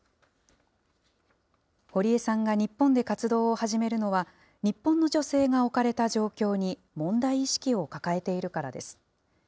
堀江さんが日本で活動を始めるのは、日本の女性が置かれた状況に問題意識を抱えているからです。